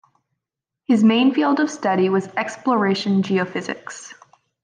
His main field of study was Exploration geophysics.